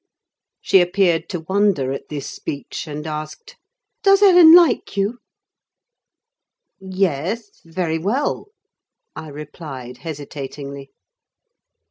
She appeared to wonder at this speech, and asked,— "Does Ellen like you?" "Yes, very well," I replied, hesitatingly.